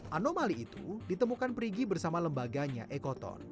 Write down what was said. anomali itu ditemukan perigi bersama lembaganya ekoton